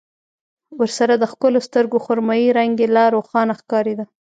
ورسره د ښکلو سترګو خرمايي رنګ يې لا روښانه ښکارېده.